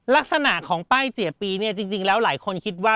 ลักษณะของป้ายเจียปีเนี่ยจริงแล้วหลายคนคิดว่า